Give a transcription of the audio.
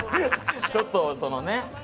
ちょっとそのね。